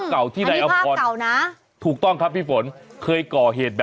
กลัวจะหลอกหลอนลูกตา